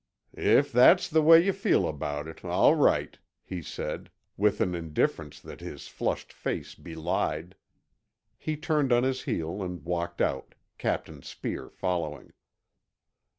"If that's the way yuh feel about it, all right," he said—with an indifference that his flushed face belied. He turned on his heel and walked out, Captain Speer following.